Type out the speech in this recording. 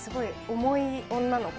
重い女の子？